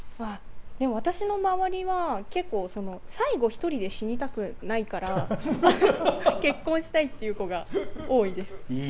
私の周りは最後１人で死にたくないから結婚したいっていう子が多いです。